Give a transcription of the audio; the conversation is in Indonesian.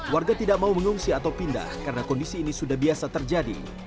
warga tidak mau mengungsi atau pindah karena kondisi ini sudah biasa terjadi